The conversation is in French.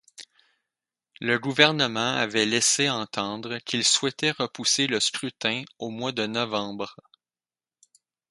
Le gouvernement avait laissé entendre qu'il souhaitait repousser le scrutin au mois de novembre.